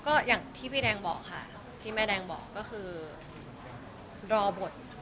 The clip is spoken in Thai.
ก็อย่างที่พี่แดงบอกค่ะที่แม่แดงบอกก็คือรอบท